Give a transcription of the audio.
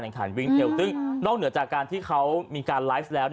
ขันวิ่งเทลซึ่งนอกเหนือจากการที่เขามีการไลฟ์แล้ว